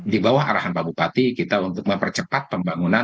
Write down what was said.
di bawah arahan pak bupati kita untuk mempercepat pembangunan